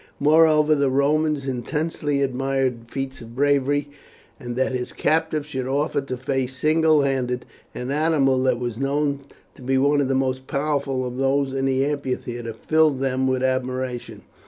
Moreover the Romans intensely admired feats of bravery, and that this captive should offer to face single handed an animal that was known to be one of the most powerful of those in the amphitheatre filled them with admiration.